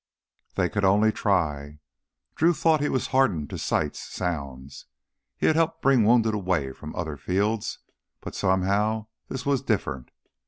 They could only try ... Drew thought he was hardened to sights, sounds. He had helped bring wounded away from other fields, but somehow this was different.